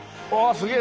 すげえ！